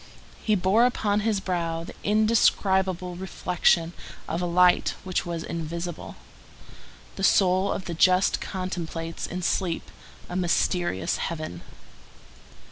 He bore upon his brow the indescribable reflection of a light which was invisible. The soul of the just contemplates in sleep a mysterious heaven.